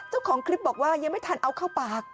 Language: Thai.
เจ้าของคลิปบอกว่ายังไม่ทันเอาเข้าปาก